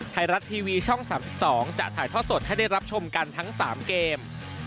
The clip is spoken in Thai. ไทยรัฐทีวีช่อง๓๒จะถ่ายทอดสดให้ได้รับชมกันทั้ง๓เกม